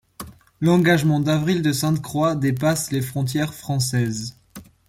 L'engagement d'Avril de Sainte-Croix dépasse les frontières françaises.